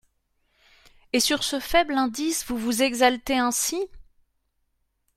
Et sur ce faible indice, vous vous exaltez ainsi !